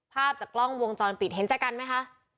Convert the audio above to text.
ภาพจากกล้องวงจรปิดเห็นจากกันไหมคะ